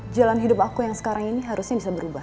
jalan hidup aku yang sekarang ini harusnya bisa berubah